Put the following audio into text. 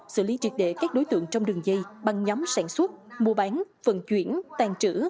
xử lý triệt đệ các đối tượng trong đường dây băng nhóm sản xuất mua bán phần chuyển tàn trữ